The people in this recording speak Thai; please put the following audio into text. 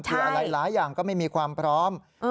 คืออะไรหลายอย่างก็ไม่มีความพร้อม